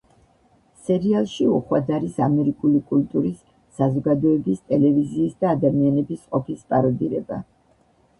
სერიალში უხვად არის ამერიკული კულტურის, საზოგადოების, ტელევიზიის და ადამიანების ყოფის პაროდირება.